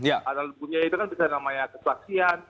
alat bukti itu kan bisa namanya kesaksian